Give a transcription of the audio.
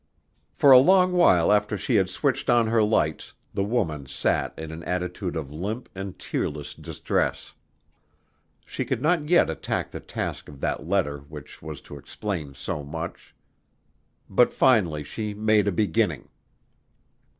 For a long while after she had switched on her lights the woman sat in an attitude of limp and tearless distress. She could not yet attack the task of that letter which was to explain so much. But finally she made a beginning.